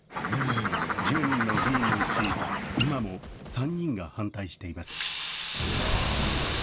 １０人の議員のうち、今も３人が反対しています。